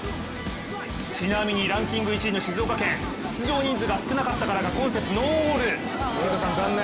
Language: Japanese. ちなみにランキング１位の静岡県出場人数が少なかったからか今節ノーゴール、啓太さん残念。